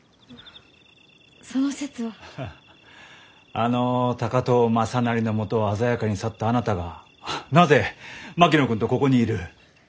あの高藤雅修のもとを鮮やかに去ったあなたがなぜ槙野君とここにいる？